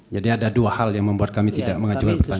jadi ada dua hal yang membuat kami tidak mengajukan pertanyaan